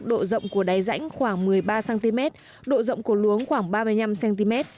độ rộng của đáy rãnh khoảng một mươi ba cm độ rộng của luống khoảng ba mươi năm cm